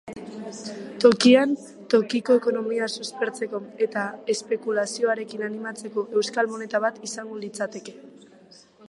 Tokian tokiko ekonomia suspertzeko eta espekulazioarekin amaitzeko euskal moneta bat izango litzateke.